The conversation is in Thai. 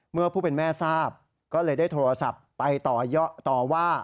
เมื่อผู้เป็นแม่ทราบก็เลยได้โทรศัพท์ไปต่อว่า